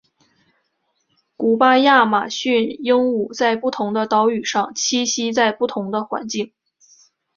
古巴亚马逊鹦鹉在不同的岛屿上栖息在不同的环境。